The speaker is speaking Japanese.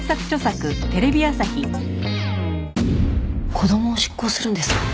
子供を執行するんですか？